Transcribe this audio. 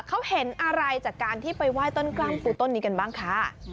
เขาเห็นอะไรจากการที่ไปไหว้ต้นกล้ามปูต้นนี้กันบ้างค่ะ